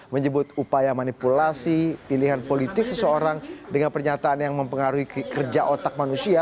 menyebut upaya manipulasi pilihan politik seseorang dengan pernyataan yang mempengaruhi kerja otak manusia